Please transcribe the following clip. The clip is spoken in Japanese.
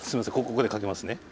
ここでかけますね。